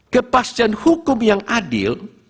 kepastian hukum yang adil